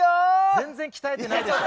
全然鍛えてないでしょ。